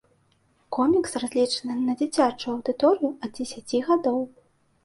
Комікс разлічаны на дзіцячую аўдыторыю ад дзесяці гадоў.